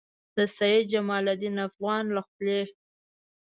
د سید جمال الدین افغاني له خولې.